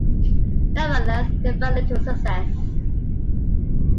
Nevertheless, they found little success.